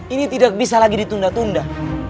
ini tidak bisa lagi ditunda tunda